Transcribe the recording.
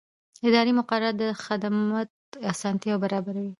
اداري مقررات د خدمت اسانتیا برابروي.